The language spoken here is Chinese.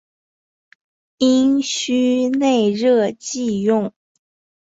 阴虚内热忌用。